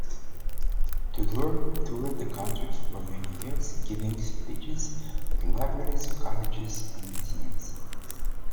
Tudor toured the country for many years, giving speeches at libraries, colleges and museums.